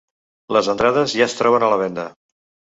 Les entrades ja es troben a la venda.